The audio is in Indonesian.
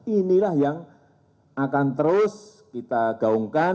inilah yang akan terus kita gaungkan